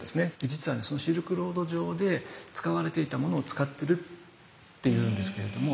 実はシルクロード上で使われていたものを使ってるっていうんですけれども。